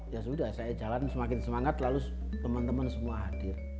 ya sudah saya jalan semakin semangat lalu teman teman semua hadir